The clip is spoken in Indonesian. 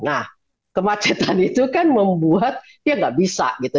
nah kemacetan itu kan membuat dia gak bisa gitu